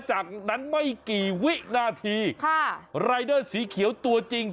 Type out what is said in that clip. จากนั้นไม่กี่วินาทีค่ะรายเดอร์สีเขียวตัวจริง